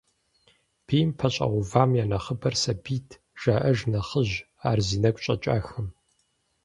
Бийм пэщӏэувам я нэхъыбэр сабийт, – жаӏэж нэхъыжь ар зи нэгу щӏэкӏахэм.